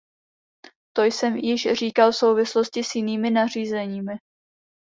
To jsem již říkal v souvislosti s jinými nařízeními.